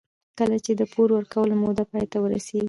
کله چې د پور ورکولو موده پای ته ورسېږي